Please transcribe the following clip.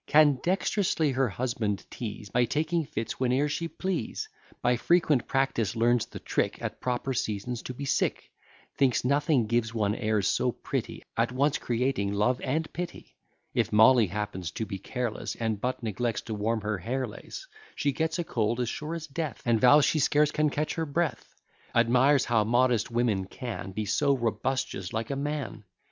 Can dext'rously her husband teaze, By taking fits whene'er she please; By frequent practice learns the trick At proper seasons to be sick; Thinks nothing gives one airs so pretty, At once creating love and pity; If Molly happens to be careless, And but neglects to warm her hair lace, She gets a cold as sure as death, And vows she scarce can fetch her breath; Admires how modest women can Be so robustious like a man.